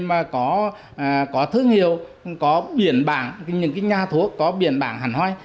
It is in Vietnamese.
mà có thương hiệu có biển bảng những cái nhà thuốc có biển bảng hẳn hoi